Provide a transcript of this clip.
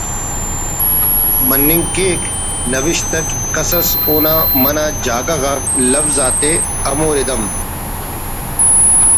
morning cake کہ نوشت اٹ کس اس اونا منہ جاگہ غا لوز آتے ہمو ردھم